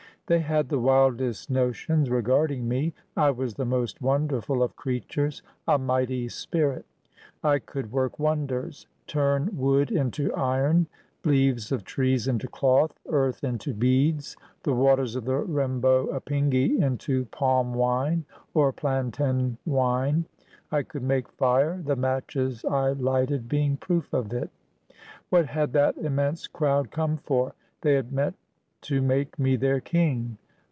They had the wildest notions regarding me. I was the most wonderful of creatures — a mighty spirit. I could work wonders — turn wood into iron, leaves of trees into cloth, earth into beads, the waters of the Rembo Apingi into palm wine or plantain wine. I could make fire, the matches I lighted being proof of it. What had that immense crowd come for? They had met to make me their king.